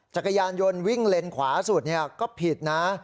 จักรยานยนต์วิ่งเลนขวาสุดก็ผิดนะ